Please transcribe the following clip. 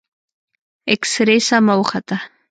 اكسرې سمه وخته.